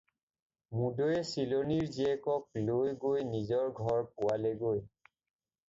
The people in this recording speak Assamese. মুদৈয়ে চিলনীৰ জীয়েকক লৈ গৈ নিজৰ ঘৰ পোৱালেগৈ।